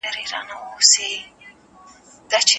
اثر په خپله د یو انسان د زړه غږ دئ.